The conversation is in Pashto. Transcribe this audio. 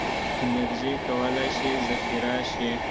انرژي کولی شي ذخیره شي.